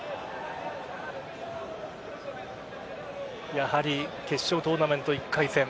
やはり決勝トーナメント１回戦